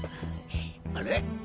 あれ？